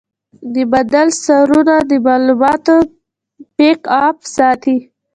د بادل سرورونه د معلوماتو بیک اپ ساتي.